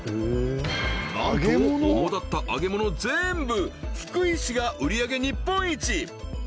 なんと主立った揚げ物全部福井市が売上げ日本一！